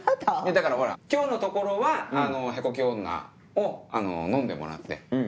だからほら今日のところは屁こき女をのんでもらって。